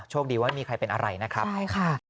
โชคดีว่าไม่มีใครเป็นอะไรนะครับใช่ค่ะ